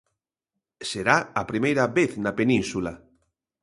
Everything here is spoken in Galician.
Será a primeira vez na Península.